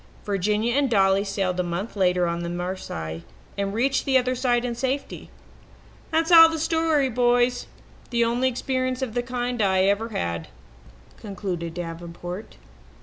Virginia and Dolly sailed a month later on the Marseilles, and reached the other side in safety. That's all the story, boys the only experience of the kind I ever had," concluded Davenport.